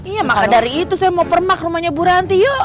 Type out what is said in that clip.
iya maka dari itu saya mau permak rumahnya bu ranti yuk